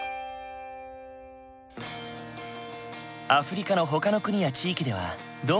アフリカのほかの国や地域ではどうなんだろう？